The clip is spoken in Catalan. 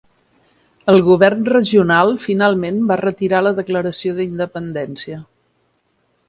El govern regional finalment va retirar la declaració d'independència.